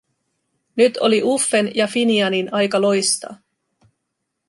Nyt oli Uffen ja Finianin aika loistaa.